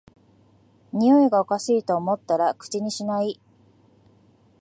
においがおかしいと思ったら口にしない